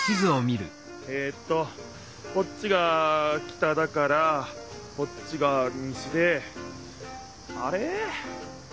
えっとこっちが北だからこっちが西であれ？